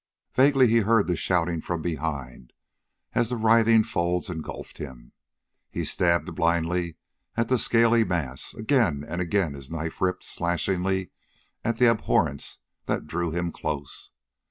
Vaguely he heard the shouting from behind as the writhing folds engulfed him. He stabbed blindly at the scaly mass; again and again his knife ripped slashingly at the abhorrence that drew him close.